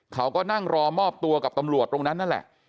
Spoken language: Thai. เขาก็นั่งรอมอบตัวกับตำรวจตรงนั้นนั่นแหละ